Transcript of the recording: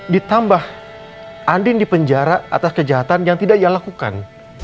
ditambah andin di penjara atas kejahatan yang tidak dia lakukan